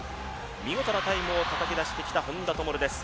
見事なタイムをたたき出してきた本多灯です。